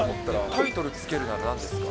タイトルつけるならなんですか？